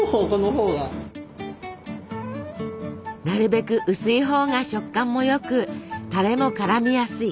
なるべく薄いほうが食感も良くたれもからみやすい。